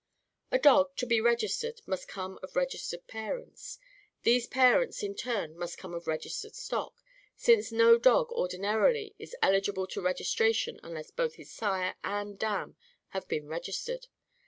A dog, to be registered, must come of registered parents. These parents, in turn, must come of registered stock; since no dog, ordinarily, is eligible to registration unless both his sire and dam have been registered.